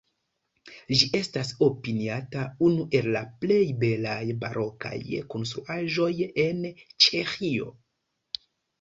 Ĝi estas opiniata unu el la plej belaj barokaj konstruaĵoj en Ĉeĥio.